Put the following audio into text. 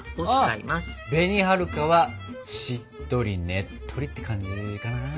あ紅はるかはしっとりねっとりって感じかな。